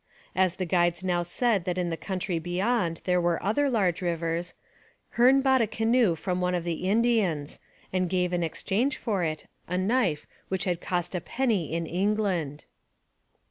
As the guides now said that in the country beyond there were other large rivers, Hearne bought a canoe from one of the Indians, and gave in exchange for it a knife which had cost a penny in England.